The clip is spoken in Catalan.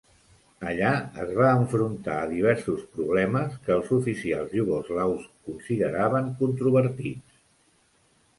Allà es va enfrontar a diversos problemes que els oficials iugoslaus consideraven controvertits.